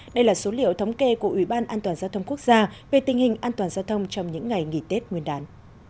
đây là số liệu thống kê của ủy ban an toàn giao thông quốc gia về tình hình an toàn giao thông trong những ngày nghỉ tết nguyên đán